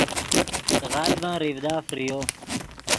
غلڤن ریڤدا فریو